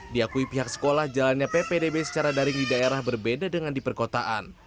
diakui pihak sekolah jalannya ppdb secara daring di daerah berbeda dengan di perkotaan